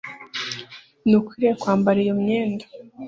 Ntukwiriye kwambara iyo myenda